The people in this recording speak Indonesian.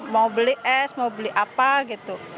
mau beli es mau beli apa gitu